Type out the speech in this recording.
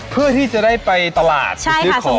เพื่อจะได้ไปตลาดหรือซื้อของ